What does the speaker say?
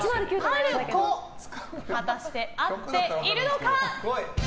パルコ果たして合っているのか。